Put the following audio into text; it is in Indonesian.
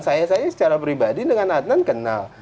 saya saja secara pribadi dengan adnan kenal